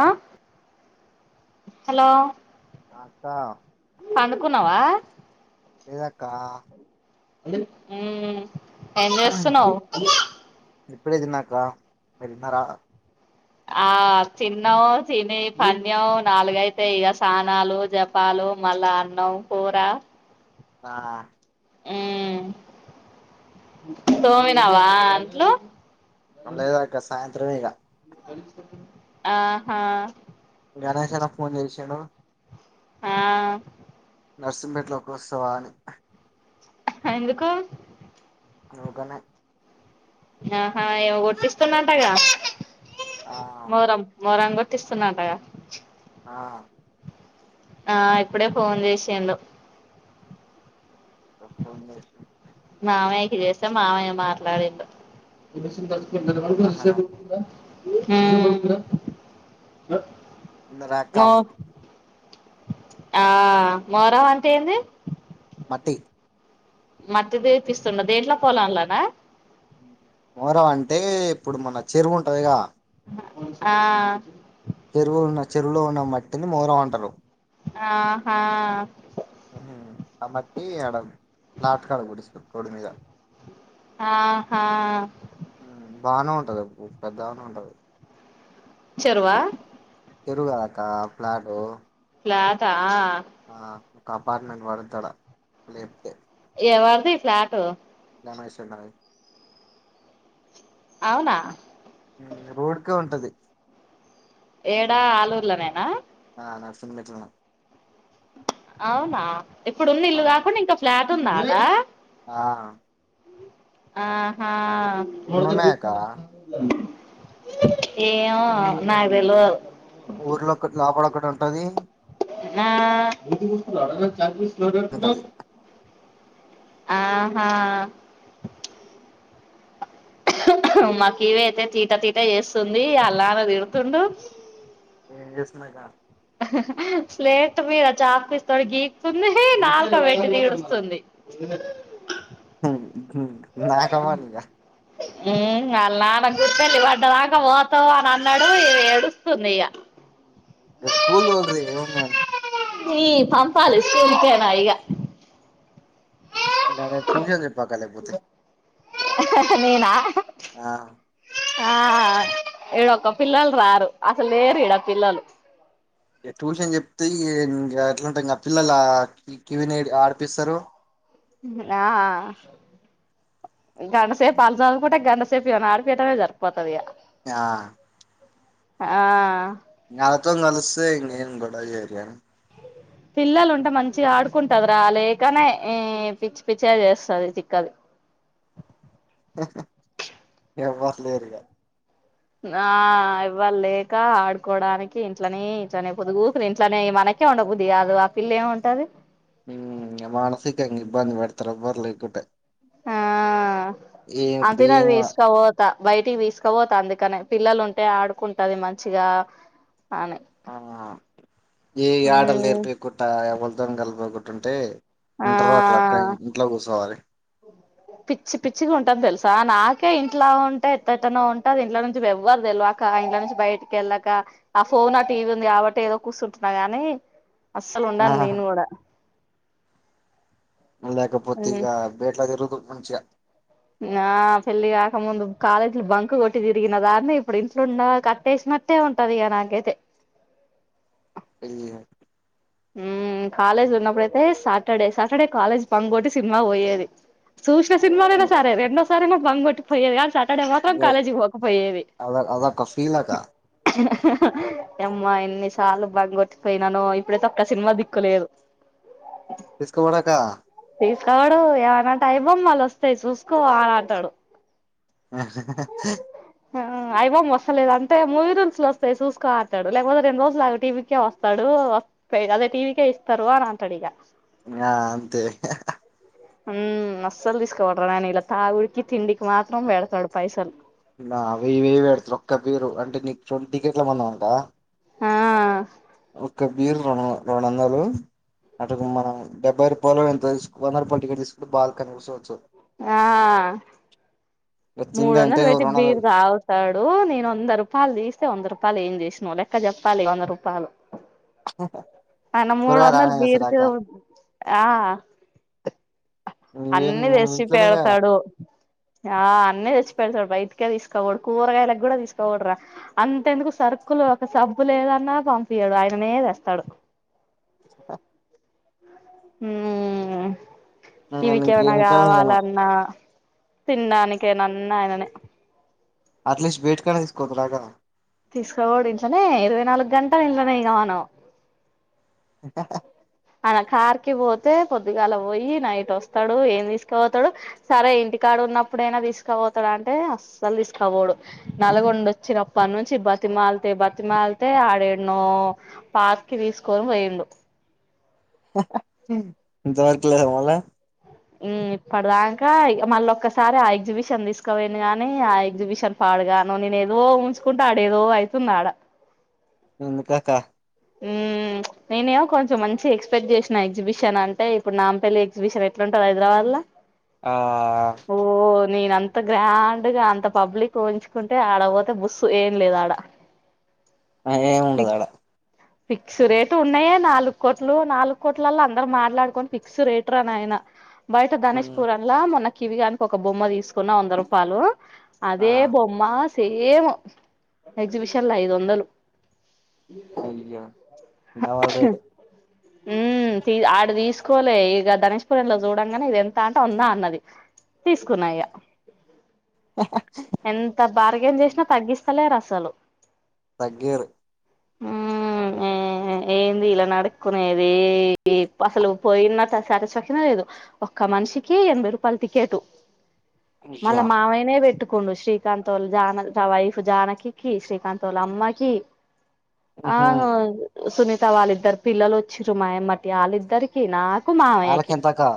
ఆ హలో ఆ అక్క పండుకున్నావా? ఏదక్కా మ్ ఏం చేస్తున్నావు? ఇప్పుడే తిన్నాక్కా మీరు తిన్నారా? ఆ తిన్నాం పండినాం నాలుగైతే ఇక స్నానాలు జపాలు మళ్ళా అన్నం కూర ఆ మ్ తోమినావా అంట్లు లేదక్కా ఇక సాయంత్రమే ఇగ ఆహా గణేశ్ అన్న ఫోన్ చేసిండు. ఆ నర్సింపేట్లో కి వస్తావా అని ఎందుకు ఊరకనే ఆహా ఏమో కొట్టిస్తున్నాంటగా ఆ మోరం మోరం కొట్టి తీసుకున్నకాడ ఆ ఆ ఇప్పుడే ఫోన్ చేసిండు ఆ ఫోన్ చేసిండు మామయ్యకి చేస్తే మామయ్య మాట్లాడిండు. ఆహా మ్ సరే అక్కా ఆ మోరం అంటే ఏంది? థై మట్ది తీపిస్తుండ దేంట్లో పోలాల్లోనా మోరం అంటే ఇప్పుడు మన చెరువు ఉంటదిగా ఆ చెరువులో ఉన్న మట్టిని మోరం అంటారు. ఆహా! కాబట్టి ఆడ లాస్ట్ కాడ కూర్చుంది ఆడ రోడ్డు మీద ఆహా బాగానే ఉంటది పెద్దగానే ఉంటది. చెరువా? చెరువు కాదక్కా ప్లాటు ఫ్లాటా ఆ ఒక అపార్ట్మెంట్ పడదాడా లేపితే ఎవరిదీ ఫ్లాటు నా మై సన్నాయి అవునా ఈ రోడ్కే ఉంటది ఏడా ఆలూర్లనేనా ఆ నర్సింగ్ మెట్లనొ అవునా ఇప్పుడున్న ఇల్లు కాకుండా ఇంకా ఫ్లాట్ ఉందాదా ఆ ఆహా రెండు ఉన్నాయక్క ఏమో నాకు తెల్వదు ఊర్లోక్క లోపడొక్కటి ఉంటది ఉంటది ఆ ఆహా మా కీవి అయితే తీటా తీట చేస్తుంది ఆల్ నాన్న తిడుతుండు ఎం చేస్మయగా స్లేట్ మీద చాక్పీస్ తోటి గీక్తుంది నాలక పెట్టి దీడుస్తుంది తినే నాకవ్వాలిగా మ్ అళ నాన్న గుర్తెల్లి పడ్డదాకా పోతావు అని అన్నాడు ఇ ఏడుస్తుంది ఇగ ఆ ఇక స్కూల్ తోలురి ఏమన్నా ఈ పంపాలి స్కూల్ కేనా ఇగ అక్క టూ కేకే పాకాలకపోతే నేనా ఆ ఈడొక్క పిల్లలు రారు అసలు లేరు ఈడా పిల్లలు ఇగ ట్యూషన్ చెప్తే ఇంగా ఎట్లాంటా ఇంగ పిల్లల కివి న ఆడు చెప్పిస్తారు ఆ గంటసేపు అలు చదుకుంటే గండసేపు ఈయన ఆడిపియటమే జరిపోతది ఇగ ఆ ఆ నాతో న్ కలిసే ఇంగేం గొడవ జెయిరే పిల్లలు ఉంటే మంచిగా ఆడుకుంటది రా లేకనే ఈ పిచ్చి పిచ్చి గా చేస్తది తిక్కది ఎవర్ లేరిగా ఆ ఎవ్వర్ లేక ఆడుకోడానికి ఇంట్లనే ఇంట్లనే పొదుగుకుని ఇంట్లోనే మనకి ఇట్లే ఉండబుది కాదు ఆ పిల్ల ఏమి ఉంటది మ్ మానసికంగా ఇబ్బంది పెడతారు ఎవర్ లేకుంటే ఆ ఏం అంతేనా ఏం తీసకపోతా బయటికి తీసుకపోతా అందుక క్కనే పిల్లలు ఉంటే ఆడుకుంటది మంచిగా అని ఆ ఏ ఆటలు మ్మ్ నేరిపీకుంట ఎవల్ తోని కల్వకుంటుంటే ఆ ఇంటరు అట్లా అక్క ఇంట్లో కూర్చోవాలి పిచ్చి పిచ్చికి ఉంటది తెలుసా నాకే ఇంట్లో ఉంటే ఎట్టేట్టనో ఉంటది ఇంట్లో నుంచి ఎవ్వరు తెల్వ క ఇంట్లో నుంచి బయటికి ఎళ్ళాక ఆ ఫోన్ ఆ టీవీ ఉంది కాబట్టి ఏదో కూర్చుంటున్నా గాని అస్సలు ఉండను ఆహా. నేను కూడా లేకపోతే ఇగ బేట్లా తిరుగుతు మంచిగా నా పెళ్లి కాక ముందు కాలేజీలు బంక్ కొట్టి తిరిగిన దాన్ని ఇప్పుడు ఇంట్లో ఉన్న కట్టేసిన ట్టే ఉంటాదిగ నాకైతే పెళ్ళిక మ్ కాలేజ్ ఉన్నప్పుడయితే సాటర్డే సాటర్డే కాలేజ్ బంక్కొటి సినిమా పోయేది చూసిన సినిమాలయినా ఉమ్, సరే రెండోసారి అయిన బంక్కొటి పోయేది గాని తడే మాత్రం ఇక కాలేజీకి పోకపోయేవి అద అదొక ఫీల్ అక్క యమ్మా ఎన్నిసార్లు బంగొట్టిపోయినానో ఇప్పుడైతే ఒక్క సినిమా దిక్కులేదు తీస్కపోనక్క తడు ఏవనా టైము మళ్ళ వస్తే చూసుకో అని అంటాడు ఆ ఆ ఐ బొమ్మ వస్తలేదు అంటే మూవీ రూల్స్లో వస్తాయి చూసుకో అంటాడు లేపోతే రెండు రోజులు ఆగు టీవీకే వస్తాడు పో పే అదే టివీకే ఇస్తారు అని అంటాడు ఇగ ఆ అంతే ఉమ్ అస్సలు తీస్కపోడ్ర అయిన ఇలా తాగుడికి తిండికి మాత్రం పెడతడు పైసలు నా వెయ్యి వెయ్యి పెడతను ఒక్క పేరు అంటే నీక్ రెండు టికెట్లు మందామంట ఆ ఒక్క బీర్లోన రెండు వందలు అటుకు మనం డెబ్బై రూపాలో ఎంతో తీస్ వంద రూపాల టికెట్ తీస్కొని బాల్కని కూర్చోచ్చు ఆ మూడు వచ్చిందంటే వందలు నువ్వు పెట్టి రుణాలు బీరు తాగుతాడు నేను వంద రూపాలు తీస్ వంద రూపాలు ఏం జేసినవు లెక్క జేప్పాలి వంద రూపాలు తను మూడు కూరగాయలు వందలు రానే బీరుకే చేస్తాడాక ఆ నువ్వేం అన్ని నువ్వు తెచ్చి ఇంట్లోనే కదా పెడతాడు ఆ అన్న తెచ్చి పెడతాడు బయటికే తీస్కపోడు కూరగాయలకు కూడా తీస్కపోడ్ర అంత ఎందుకు సరుకులు ఒక సబ్ బ్బు లేదన్నా పంపియడు ఆయనే తెస్తాడు చెప్ప హ్మ్ ఇంకేం టివికెమన్న ఇంట్లోనే ఇగ నువ్వు కావాలన్నా తిన్నాడానికే నన్నయననే అట్లీస్ట్ వేటికన్నా తీసుకోకురాగా తీస్కబోడు ఇంట్లోనే ఇరవై నాలుగు గంటలు ఇంట్లనే ఇగ మనం [unintelligible] అన కార్కి పోతే పొద్దుగాల పోయి నైట్ వస్తాడు ఏం తీస్కపోతాడు సరే ఇంటికా డ ఉన్నప్పుడైనా తీస్కపోతాడ అంటే అస్సలు తీస్కపోడు నల్గొండ వచ్చినప్పట్నుంచి బతి మాలతే బతిమాలితే ఆడేడ్నో పార్కి తీస్కొని పోయిండు దొరకలేదు మళ్ళ ఇప్పడు దాకా ఇగ మళ్ళ ఒక్కసారి ఆ ఎగ్జిబిషన్ తీస్కపోయిండు గాని ఆ ఎగ్జిబిషన్ పా డుగాను నేను ఏదో ఊహించికుంటె ఆడ ఏదో అయితుంది ఆడ ఎందుకాక ఉమ్ నేనేమో కొంచెం మంచి ఎక్స్పెక్ట్ చేసినా ఎగ్జిబిషన్ అంటే ఇప్పుడు నాంపల్లి ఎగ్జిబిషన్ ఎట్ల ఉంటది హైదరాబాద్ల ఆ నేన అంత గ్రాండ్గా అంత పబ్లిక్ ఉహించుకుంటే ఆడ పోతే బుస్సు ఏం లేదు ఆడ అదేంముండదు ఫిక్ ఆడ ఫిక్స్ రేటు ఉన్నాయే, నాలుగు కోట్లు నాలుగు కోట్లలో అందరూ మాట్లాడుకొని ఫిక్స్ రేటు రా నాయన బయట ధనిష్ పురం లా మొన్న కివిగానికి ఒక బొమ్మ తీసుకున్న వంద రూపాలు. ఆ అదే బొమ్మ సేమ్ ఎగ్జిబిషన్ లో ఐదు వందలు అయ్యో, డబుల్ రేట్ మ్ ఆడ తీసుకోలే ఇక ధనిష్ పురంలో చూడంగానే ఇది ఎంత అంటే వంద అన్నది. తీసుకున్నా ఇగ ఎంత బార్గెన్ చేసినా తగ్గిస్తలేరు అసలు. తగ్గీయరు. మ్ ఏ హే ఏంది ఇలా నడుక్కునేది. అసలు పోయినట్ శాటిస్ఫాక్షన్ లేదు ఒక్క మట మనిషికి ఎనభై రూపాయలు టికెట్. వాళ్ళ అయ్యా మామయ్య నే పెట్ పెట్టుకుండు శ్రీకాంత్ వాళ్ళ వైఫ్ జానకికి శ్రీకాంత్ వాళ్ళ అమ్మకి ఆ ఉహు సునీతా వాళ్ళిద్దరు పిల్లలు వచ్చినారు మాయమ్మటి వాళ్ళిద్దరికి, నాకు మామయ్యకి వాళ్ళకేం తక్కువ.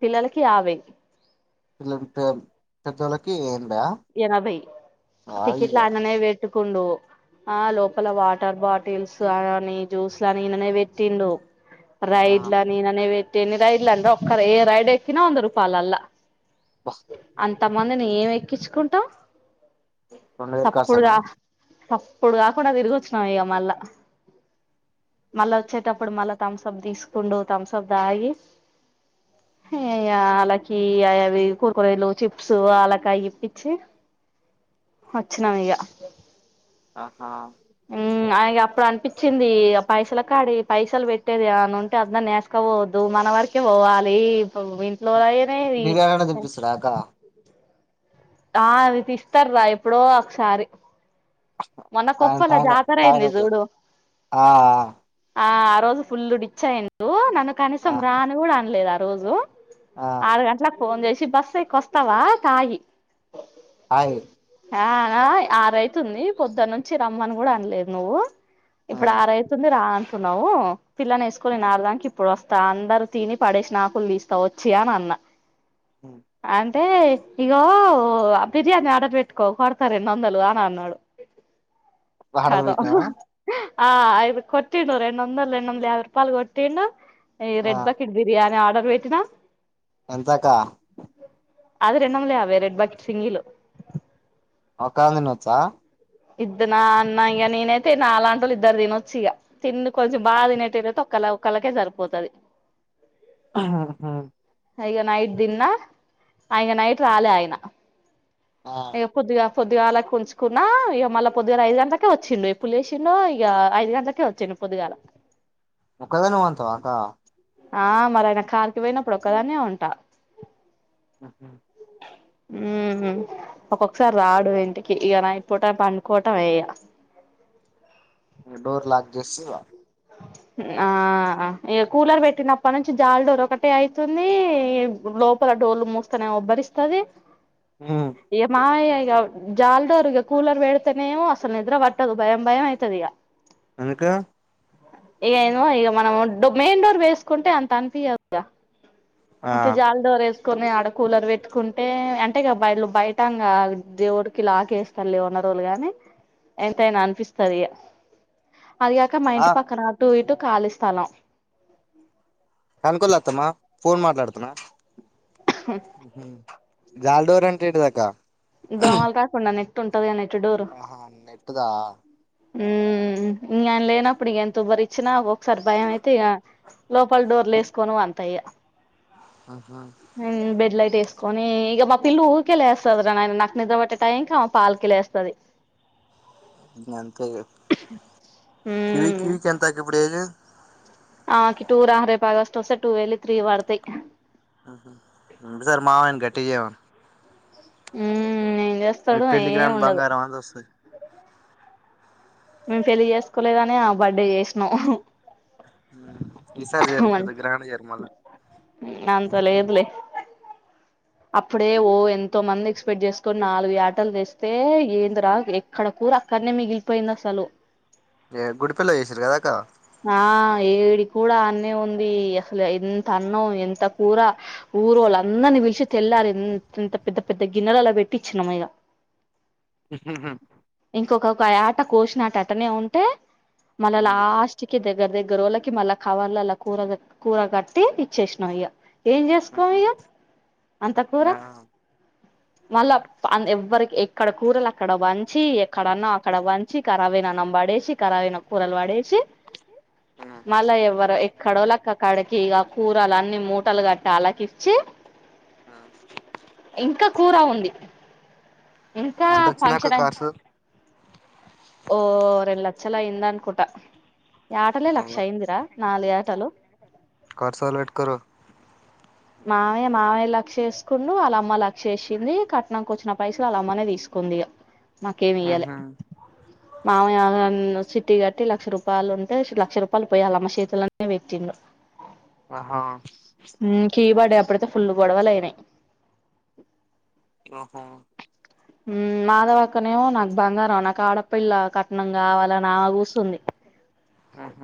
పిల్లలకి యావై పెద్ద వాళ్ళకి ఎనభై టికెట్లా అయ్యా అన్ననే పెట్టుకుండు. ఆ లోపల వాటర్ బాటిల్స్ అని జ్యూస్లుని ఈయనే పెట్టిండు. ఆ లైట్ల ని ఈయననే పెట్టిండు. ఎన్ని రైడ్ అన్న ఏ ఒక్క ఏ రైడ్ ఎక్కినా వంద రూపాయలల్లా బస్ అంతమందిని ఏం ఎక్కించుకుంటాం రెండు వేలు ఖర్చేనా సప్పుడుగా సప్పుడు కాకుండా తిరిగిొ చ్చినామ్ ఇక మళ్ళా మళ్ళా వచ్చేటప్పుడు మళ్ళా థమ్స అప్ తీసుకుండు థమ్సప్ తాగి అయయా ఆలకి అయవి కుర్కురేలు, చిప్సు ఆలకయి చ్ వచ్చినాం ఇక ఆహా! మ్ అప్పుడు అనిపించింది పైసల కాడ పైసలు పెట్టేది ఏమన్నా ఉంటే అందరిని ఏసుకుపోవద్దు. మన వరకే పోవాలి ఇంట్లో అయినే బిర్యానీ అన్న తినిపిస్తాడా అక్క ఆ అది తీస్తరు రా ఎప్పుడో ఒకసారి. మొన్న ఆయన కొప్పల తాగిన జాతర అయింది తాగినప్పుడు చూడు. ఆ ఆ ఆ ఆ రోజు ఫుల్ డిచ్అయిన్రు నన్ను కనీసం ఆ రాని కూడా అనలేదు ఆ రోజు. ఆ ఆరు గంటలకు ఫోన్ చేసి బస్ ఎక్కి వస్తావా తాగి హాయ్ ఆ అవున ఆరు అయ్యింది. పొద్దున్న నుంచి రమ్మని కూడా అనలేదు నువ్వు ఆ ఇప్పుడు ఆరైతుంది రా పిలుస్తున్నావు పిల్లని వేసుకొని ఆరుగంటలకు ఇప్పుడు వస్తా అందరూ తిని పడేసిన ఆకులు తీస్తా వచ్చి అని అన్నా. అ [inaudible] అంటే ఇగో బిర్యానీ ఆర్డర్ పెట్టుకో కొడతాలే రెండు వందలు అని అన్నాడు. ఆర్డర్ కదా పెట్టినావా ఆ కొట్టిండు రెండు వందలు రెండు వందలు యాభై రూపాయలు కొట్టిండు ఈ ఆ రెడ్ బకెట్ బిర్యాని ఆర్డర్ [unintelligible] పెట్టినా ఎంతక్కా? అది రెండొందల యాభై రెడ్ బకెట్ సింగిల్ ఒక్కాయన తినొచ్చా? ఇద్దు నా నా ఇగ నేనైతే నాలాంటోళ్ళు ఇద్దరు తినొచ్చు ఇగ తిండి కొంచెం బాగా తినేటోళ్ళు అయితే ఒక్క పలావ్ ఒక్కళ్ళకే సరిపోతది. ఊ హూ హుమ్ ఇగ నైట్ తిన్నా ఆ ఇగ నైట్ రాలే ఆయన ఆ ఇగ పొద్దుగా పొద్దుగాలకి ఉంచుకున్నా ఇగ మళ్ళా పొద్దు గాల ఐదు గంటలకే వచ్చిండు ఎప్పుడు లేసిండో ఇగ ఐదు గంటలకే వచ్చిండు పొద్దుగాల ఒక్క దానివే ఉంతవా అక్కా? ఆ మరి ఆయన కార్కి పోయినప్పుడు ఒకదాన్నే ఉంటా. ఉహుమ్ ఊమ్ ఒక్కొక్కసారి రాడు ఇంటికి ఇగ నైట్ పూట పండుకోటమే ఇగా ఇంగ డోర్ లాక్ చేసి ఆ ఇగ కూలర్ పెట్టినప్పటి నుంచి జాలిడోరు ఒకటే అయితుంది. లోపల డోర్లు మూస్తేనేమో ఒబ్బరిస్తది ఇగ మావయ్య ఇగ జాలి డోర్ ఇగ కూలర్ పెడితేనేమో అసలు నిద్ర పట్టదు భయం భయం అయితది ఇగా ఎందుకు? ఏమో ఇగ మనం డో మెయిన్ డోర్ వేసుకుంటే అంత అనిపియ్యదు ఇగా ఆ ఫస్ట్ జాలిడోర్ ఏస్ కొని ఆడ కూలర్ పెట్టుకుంటే అంటే ఇగ బయలు బయట ఇంగా దేవుడికి లాకేస్తా [unintelligible] తోళ్ళు గానీ ఎంతైనా అనిపిస్తది ఇగా అదిగాక మా ఆ ఇంట్ అటు ఇటు కాలీ స్థలం పనుకోలే అత్తమ్మా ఫోన్ మాట్లాడుతున్నా ఉహూమ్ జాలిడోర్ అంటే ఏంటిదక్కా? ఈ దోమలు రాకుండా నె అహా నెట్ దా! ఊమ్ ఇంగ ఆయన లేనప్పుడు ఇగ అంతే ఎవ్వరొచ్చినా ఒకసారి భయం అయితే ఇగ లోపల డోర్లేసుకోని పండ్తా ఇగా ఉహు, హూమ్ బెడ్లై టేస్కోని ఇగ మా పిల్ల ఊర్కే లేస్తది రా నాయనా నాకు నిద్ర పట్టే టైం కి ఆమె పాలకి లేేస్తది. కివి ఉమ్ కివికి ఎంతక్క ఇప్పుడు ఏజ్? ఆమెకి టూ రా రేపు ఆగష్టు వస్తే టూ వెళ్ళి త్రీ పడతాయి. ఇంకోసారి మావయ్యని గట్టి చేయమను. ఊమ్ ఏం మీ చేస్తాడు? పెళ్ళికి ఏం రాని ఉండదు. బంగారం అంత వస్తది మేము పెళ్లి చేసుకోలేదనే ఆమె బర్త్డే చేసినాం. ఈసారి చేయర్రి. పెద్దగా గ్రాండ్ గా చేయర్రి మళ్ళా హూమ్ అంత లేదులే. అప్పుడే ఓ ఎంతో మంది ఎక్స్పెక్ట్ చేసుకొని నాలుగు యాటలు తెస్తే ఏంది రా ఎక్కడ కూ రు అక్కడనే మిగిలిపోయింది అసలు. యే గుడి [unintelligible] చేసిర్రు కదక్కా. ఆ ఏడి కూడ ఆన్నే ఉంది అసలు ఎంత అన్నం ఎంత కూర? ఊరు వాళ్ళు అందరినీ పిలిచి తెల్లారు ఎంతంత పెద్ద పెద్ద గిన్నెలలా పెట్టి ఇచ్చినాం ఇగ ఉహు ఇంకొక్కొక్క యాట కోసినట అటనే ఉంటే మళ్ళ లాస్ట్ దగ్గర దగ్గర వాళ్ళకి మళ్ళా కావర్లో అలా కూర కూర కట్టి ఇచ్చేసినాం ఇగ ఏం చేసుకోం ఉహు ఇక అంత కూర ఆ మళ్ళా ఎవరికి అక్కడ కూరలు అక్కడ పంచి ఎక్కడన్నా అక్కడ పంచి కరాబైనా అన్నం పడేసి కరాబైన కూరలు పడేసి మళ్ళా ఎవ్వరు ఎక్కడో లక్కక్కడకి ఇక కూరలు అన్ని మూటలు గట్టి అలాకి ఇచ్చి ఆ ఇంకా కూర ఉంది ఇంకా ఎంత వచ్చిందక్క పంచడం కార్సు ఓ రెండు లక్షలు అయింది అనుకుంటా యేటలే లక్ష అయిందిరా నాలుగు యేటలు కార్సు వాళ్ళు పెట్టుకోరు మామయ్య మావయ్య లక్షేసుకుండు వాళ్ళ అమ్మ లక్ష వేసింది కట్నంనికి వచ్చిన పైసలు వాళ్ళ అమ్మనే తీసుకు కుందిగా మాకేం ఇయ్యాలే ఆహా మామ సిటీ కట్టి లక్ష రూపాయలు ఉంటే లక్ష రూపాయలు పోయాలమ్మ చేతులనే పెట్టిండు ఆహా తీబడే అప్పుడితే ఫుల్లు గొడవలు అయినాయి ఓహో ఉమ్ మాధవ్ అక్కనేమో నాకు బంగారం నాకు ఆడపిల్ల క కట్నం కావాల నా అడ కూర్చంది